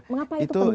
mengapa itu penting